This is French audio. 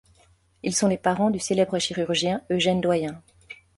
Ils sont les parents du célèbre chirurgien Eugène Doyen.